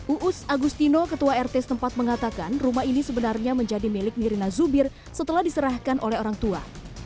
uus agustino ketua rt setempat mengatakan rumah ini sebenarnya menjadi milik nirina zubir setelah diserahkan oleh orang tua